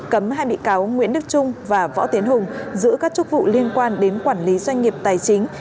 cấm hai bị cáo nguyễn đức trung và võ tiến hùng giữ các chức vụ liên quan đến quản lý doanh nghiệp tài chính